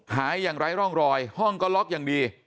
หายอย่างไร้ร่องรอยห้องก็ล็อกอย่างดี